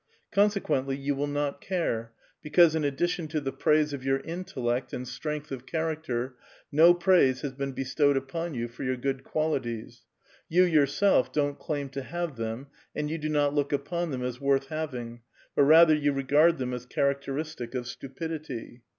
Conse quently, you will not care, because in addition to the praise of your intellect and strength of character no praise has been bestowed upon you for your good qualities ; you your self don't claim to have them, and you do not look upon them as worth having, but rather you regard them as characteristic of stupidity.